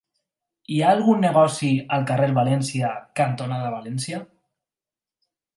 Hi ha algun negoci al carrer València cantonada València?